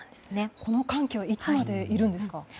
この寒気はいつまでいるんですか。